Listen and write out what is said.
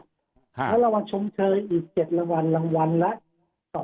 แล้วรางวัลชมเชยอีก๗รางวัลรางวัลละ๒๒๐๐๐บาท